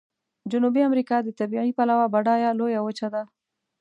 جنوبي امریکا د طبیعي پلوه بډایه لویه وچه ده.